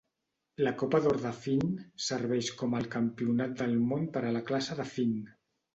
La Copa d'or de Finn serveix com el Campionat del món per a la classe de Finn.